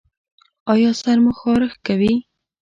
ایا سر مو خارښ کوي؟